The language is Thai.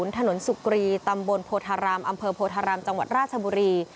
ถนนสุกรีตำบลโพธารามอำเภอโพธารามจังหวัดราชบุรี